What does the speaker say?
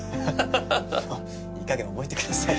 もういいかげん覚えてくださいよ。